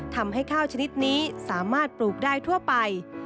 ทำให้ข้าวชนิดนี้สามารถปลูกได้ทั่วไป